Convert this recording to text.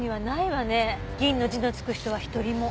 銀の字の付く人は一人も。